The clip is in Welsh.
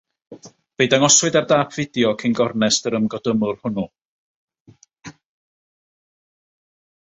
Fe'i dangoswyd ar dâp fideo cyn gornest yr ymgodymwr hwnnw.